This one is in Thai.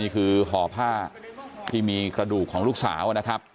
คือห่อผ้าที่มีกระดูกของลูกสาวนะครับ